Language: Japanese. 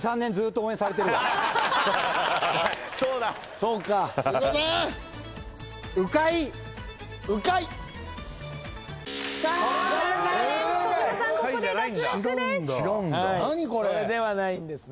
それではないんですね。